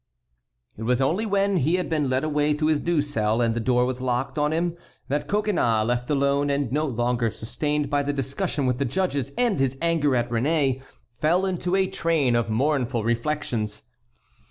It was only when he had been led away to his new cell and the door was locked on him that Coconnas, left alone, and no longer sustained by the discussion with the judges and his anger at Réné, fell into a train of mournful reflections.